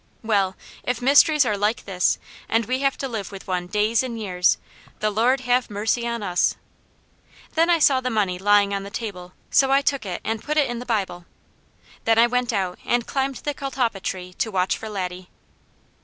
Well, if mysteries are like this, and we have to live with one days and years, the Lord have mercy on us! Then I saw the money lying on the table, so I took it and put it in the Bible. Then I went out and climbed the catalpa tree to watch for Laddie.